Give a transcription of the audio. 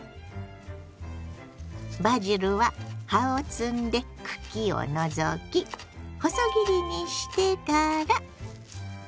バジルは葉を摘んで茎を除き細切りにしてから。